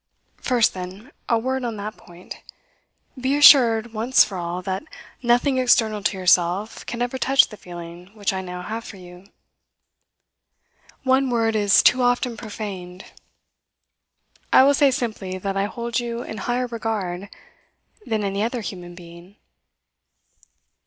First, then, a word on that point. Be assured once for all that nothing external to yourself can ever touch the feeling which I now have for you. "One word is too often profaned;" I will say simply that I hold you in higher regard that any other human being.